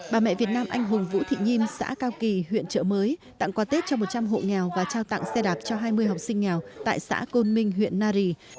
bà mẹ việt nam anh hùng vũ thị nhiêm xã cao kỳ huyện trợ mới tặng quà tết cho một trăm linh hộ nghèo và trao tặng xe đạp cho hai mươi học sinh nghèo tại xã côn minh huyện nari